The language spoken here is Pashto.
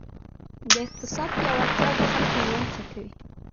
د اقتصاد پیاوړتیا د خلکو ژوند ښه کوي.